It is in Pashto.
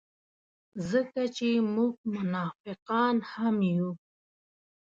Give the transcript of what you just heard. ځکه چې موږ منافقان هم یو.